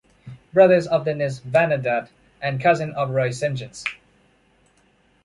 Brother of Dennis Vanendert and cousin of Roy Sentjens.